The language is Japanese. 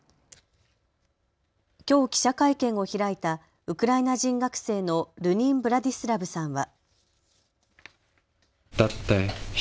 きょう記者会見を開いたウクライナ人学生のルニン・ヴラディスラヴさんは。